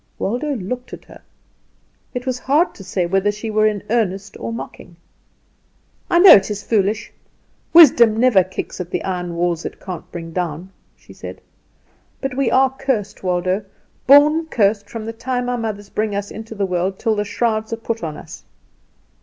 Waldo looked at her. It was hard to say whether she were in earnest or mocking. "I know it is foolish. Wisdom never kicks at the iron walls it can't bring down," she said. "But we are cursed. Waldo, born cursed from the time our mothers bring us into the world till the shrouds are put on us.